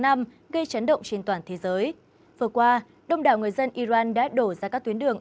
năm gây chấn động trên toàn thế giới vừa qua đông đảo người dân iran đã đổ ra các tuyến đường